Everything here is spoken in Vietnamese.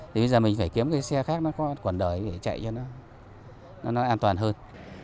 thì bây giờ mình phải kiếm cái xe khác nó có quần đời để chạy cho nó an toàn hơn